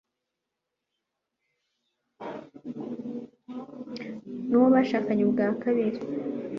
n'uwo bashakanye ubwa kabiri